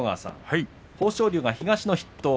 豊昇龍が東の筆頭。